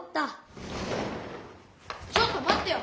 ちょっとまってよ！